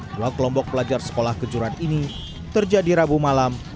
dua kelompok pelajar sekolah kejuran ini terjadi rabu malam